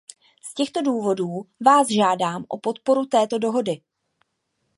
Z těchto důvodů vás žádám o podporu této dohody.